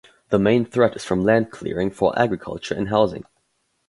The main threat is from land clearing for agriculture and housing.